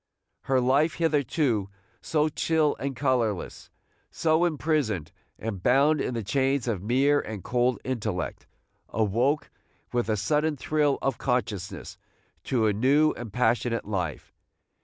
Her life, hitherto so chill and colorless, so imprisoned and bound in the chains of mere and cold intellect, awoke with a sudden thrill of consciousness to a new and passionate life.